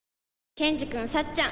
ケンジくんさっちゃん